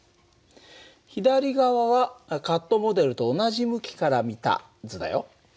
左側はカットモデルと同じ向きから見た図だよ。